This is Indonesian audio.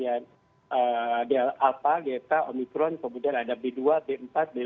karena ada varian apa geta omikron kemudian ada b dua b empat b lima